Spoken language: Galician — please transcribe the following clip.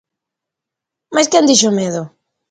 Mais, quen dixo medo?